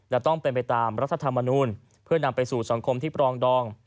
และต้องเป็นไปตามรัฐธรรมนูลเพื่อนำไปสู่สังคมที่ปรองดอง